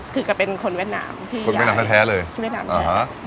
คือก็เป็นคนเวียดนามที่คนเวียดนามแท้เลยเวียดนามอ่าฮะ